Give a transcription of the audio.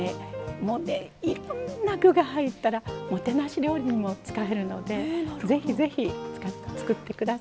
もうねいろんな具が入ったらもてなし料理にも使えるので是非是非作って下さい。